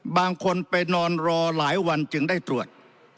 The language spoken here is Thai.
บางคนไปนอนรอหลายวันจึงได้ตรวจ